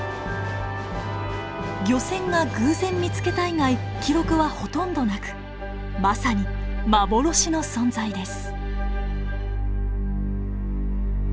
漁船が偶然見つけた以外記録はほとんどなくまさに幻の存在です。